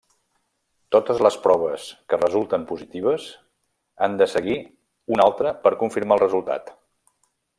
Totes les proves que resulten positives han de seguir una altra per confirmar el resultat.